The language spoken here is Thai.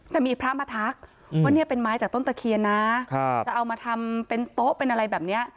แต่มีพระมาทักว่าเนี่ยเป็นไม้จากต้นตะเคียนนะจะเอามาทำเป็นโต๊ะเป็นอะไรแบบนี้